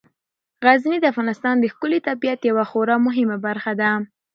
غزني د افغانستان د ښکلي طبیعت یوه خورا مهمه برخه ده.